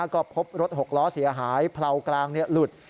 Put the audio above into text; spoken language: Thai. ก็พบรถ๖ล้อเสียหายเผลากลางหลุด